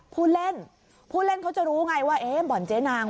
ผู้เล่นผู้เล่นเขาจะรู้ไงว่าเอ๊ะบ่อนเจ๊นาง